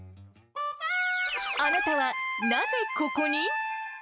あなたはなぜココに？